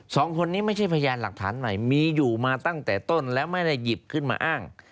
สองคนนี้ไม่ใช่พยานหลักฐานใหม่มีอยู่มาตั้งแต่ต้นและไม่ได้หยิบขึ้นมาอ้าง